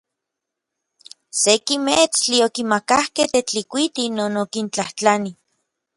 Seki meetstli okimakakej Tetlikuiti non okintlajtlani.